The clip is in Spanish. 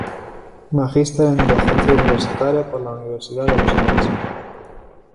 Magister en Docencia Universitaria por la Universidad de Los Andes.